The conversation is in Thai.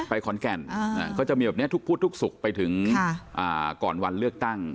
ขอนแก่นก็จะมีแบบนี้ทุกพุธทุกศุกร์ไปถึงก่อนวันเลือกตั้ง